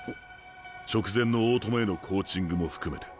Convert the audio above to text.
直前の大友へのコーチングも含めて。